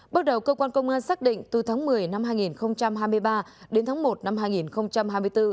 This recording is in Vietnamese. bước đầu cơ quan công an xác định từ tháng một mươi năm hai nghìn hai mươi ba đến tháng một năm hai nghìn hai mươi bốn